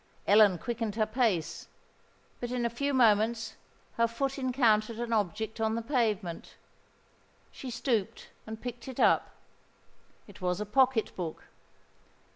Ellen quickened her pace; but in a few moments her foot encountered an object on the pavement. She stooped, and picked it up. It was a pocket book.